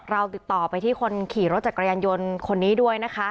เราติดต่อไปที่คนขี่รถจักรยานยนต์คนนี้ด้วยนะคะ